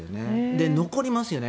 で、残りますよね